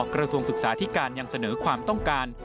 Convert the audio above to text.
กระทรวงศึกษาที่การยังเสนอความต้องการ